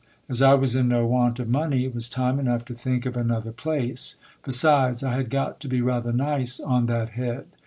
As I was in no want of money, it was time enough to think of another place : besides, I had got to be rather nice on that head.